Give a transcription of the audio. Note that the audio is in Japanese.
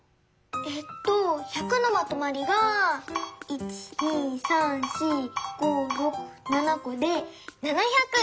えっと１００のまとまりが１２３４５６７こで７００！